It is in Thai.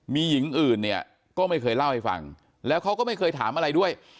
มีหญิงอื่นเนี่ยก็ไม่เคยเล่าให้ฟังแล้วเขาก็ไม่เคยถามอะไรด้วย